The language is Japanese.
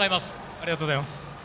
ありがとうございます。